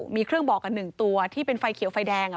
มีเครื่องบอกกัน๑ตัวที่เป็นไฟเขียวไฟแดง